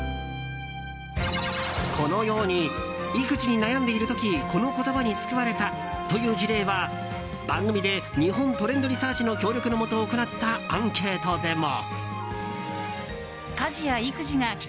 このように育児に悩んでいる時この言葉に救われたという事例は番組で日本トレンドリサーチの協力のもと行ったアンケートでも。